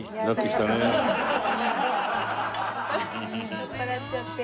酔っ払っちゃって。